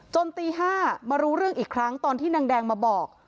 ตี๕มารู้เรื่องอีกครั้งตอนที่นางแดงมาบอก